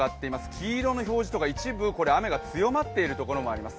黄色の表示とか一部雨が強まっているところもあります。